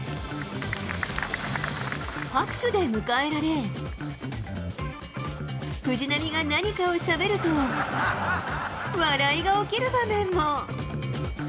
拍手で迎えられ、藤浪が何かをしゃべると、笑いが起きる場面も。